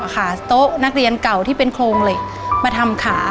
โต๊ะนักเรียนเก่าที่เป็นโครงเหล็กมาทำขา